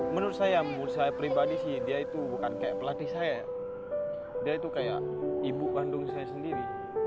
menurut saya menurut saya pribadi sih dia itu bukan kayak pelatih saya dia itu kayak ibu kandung saya sendiri